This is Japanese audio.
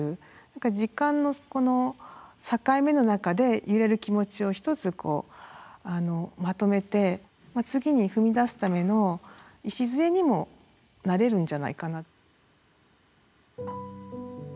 時間の境目の中で揺れる気持ちを１つこうまとめて次に踏み出すための礎にもなれるんじゃないかな。